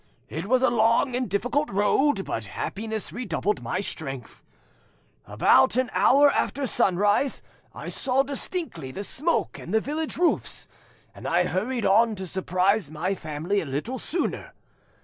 It was a long and difficult road, but happiness redoubled my strength. About an hour after sunrise I saw distinctly the smoke and the village roofs, and I hurried on to surprise my family a little sooner.